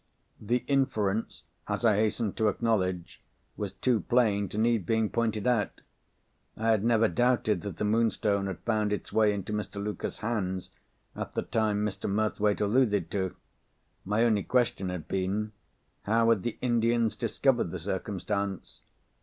The inference (as I hastened to acknowledge) was too plain to need being pointed out. I had never doubted that the Moonstone had found its way into Mr. Luker's hands, at the time Mr. Murthwaite alluded to. My only question had been, How had the Indians discovered the circumstance?